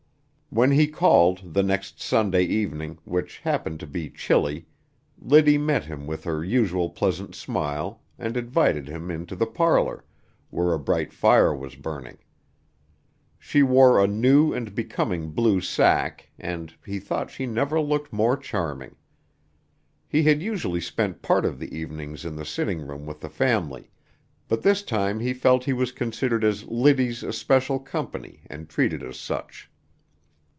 When he called the next Sunday evening, which happened to be chilly, Liddy met him with her usual pleasant smile and invited him into the parlor, where a bright fire was burning. She wore a new and becoming blue sacque, and he thought she never looked more charming. He had usually spent part of the evenings in the sitting room with the family, but this time he felt he was considered as Liddy's especial company and treated as such.